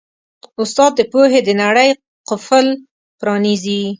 استاد د پوهې د نړۍ قفل پرانیزي.